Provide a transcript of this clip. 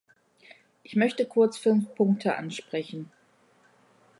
Ich möchte kurz fünf Punkte ansprechen.